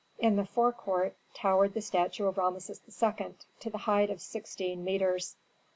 In the forecourt towered the statue of Rameses II. to the height of sixteen metres.